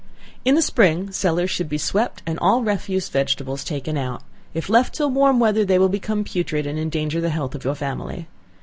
In the spring, cellars should be swept, and all refuse vegetables taken out; if left till warm weather, they will become putrid, and endanger the health of your family.